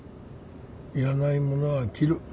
要らないものは切る。